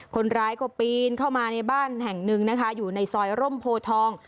คนร้ายก็ปีนเข้ามาในบ้านแห่งหนึ่งนะคะอยู่ในซอยร่มโพทอง